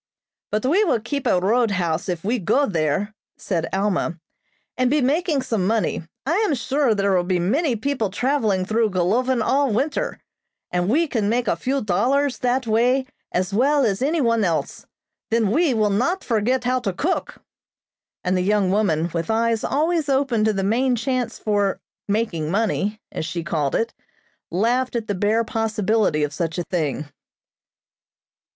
"But we will keep a roadhouse if we go there," said Alma, "and be making some money. I am sure there will be many people traveling through Golovin all winter, and we can make a few dollars that way as well as any one else. Then we will not forget how to cook," and the young woman, with eyes always open to the main chance for "making money," as she called it, laughed at the bare possibility of such a thing.